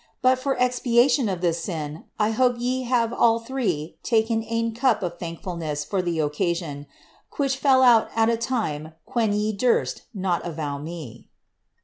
* But for expiation of this sin, I hope ye have eUl tkrte taken cop of thankfulness ibr the occasion, pthidk fell out at a time qyhen ye durst not avow me.